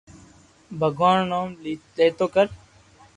بڀگوان رو نوم ليتو ڪر